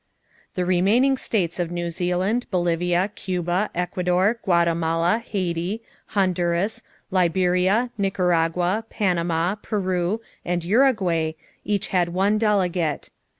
The remaining states of New Zealand, Bolivia, Cuba, Ecuador, Guatemala, Haiti, Honduras, Liberia, Nicaragua, Panama, Peru, and Uruguay each had one delegate.